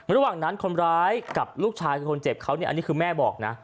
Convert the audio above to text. ระหว่างนั้นคนร้ายกับลูกชายคือคนเจ็บเขาเนี่ยอันนี้คือแม่บอกนะ